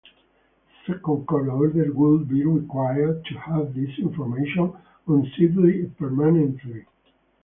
A second court order would be required to have this information unsealed permanently.